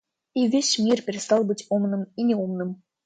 И весь мир перестал быть умным и неумным.